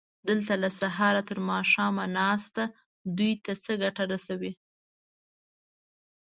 دلته له سهاره تر ماښامه ناسته دوی ته څه ګټه رسوي؟